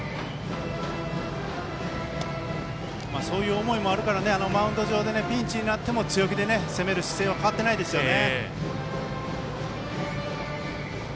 そういう思いもあるからマウンド上でピンチになっても強気で攻める姿勢は変わってないですよね。